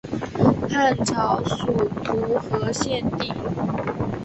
汉朝属徒河县地。